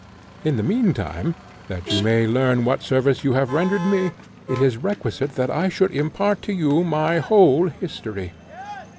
In the meantime, that you may learn what service you have rendered me, it is requisite that I should impart to you my whole history.